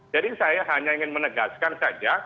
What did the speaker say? jadi saya hanya ingin menegaskan saja